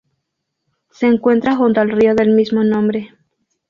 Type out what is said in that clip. Se encuentra junto al río del mismo nombre.